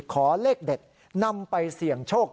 ขอเลขเด็ดนำไปเสี่ยงโชค